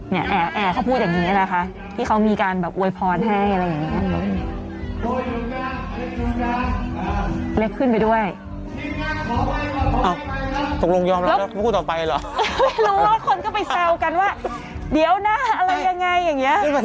แอร์เขาพูดอย่างนี้นะคะที่เขามีการแบบอวยพรให้อะไรอย่างนี้